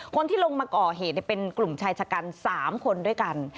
คนที่ลงมาก่อเหตุเป็นกลุ่มชายชะกัน๓คนด้วยกัน